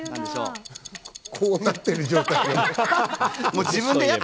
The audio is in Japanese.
こうなってる状態のやつ。